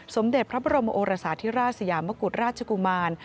สมเด็จพระบรมโอราศาสตร์ที่ราชสิยามกุฎราชกุมัน